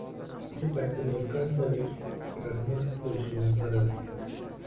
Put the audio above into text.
O‘sha paytda men qanchalik pragmatik bo‘lishimga qaramay